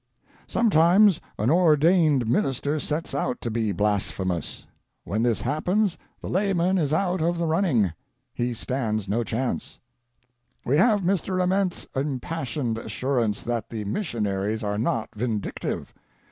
Sometimes an ordained minister sets out to be blasphemous. When this happens, the lay man is out of the running; he stands no chance. We have Mr. Ament's impassioned assurance that the mission aries are not "vindictive."